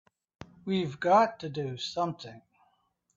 We've got to do something!